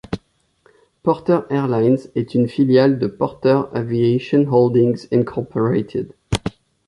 Porter Airlines est une filiale de Porter Aviation Holdings Inc.